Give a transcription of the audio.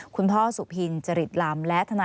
คุณพ่อสุพินจริตลำ